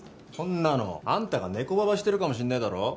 こんなのあんたが猫ばばしてるかもしれないだろ？